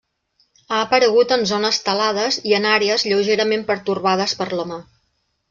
Ha aparegut en zones talades i en àrees lleugerament pertorbades per l'home.